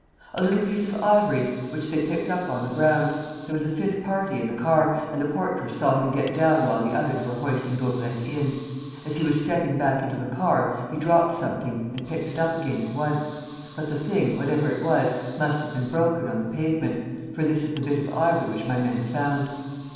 "A little piece of ivory, which they picked up on the ground. There was a fifth party in the car; and the portress saw him get down while the others were hoisting Daubrecq in. As he was stepping back into the car, he dropped something and picked it up again at once. But the thing, whatever it was, must have been broken on the pavement; for this is the bit of ivory which my men found."